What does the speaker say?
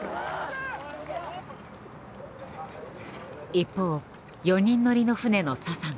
一方４人乗りの船の佐々野。